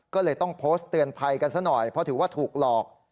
ก็เลยต้องโพสต์เตือนภัยกันซะหน่อยเพราะถือว่าถูกหลอก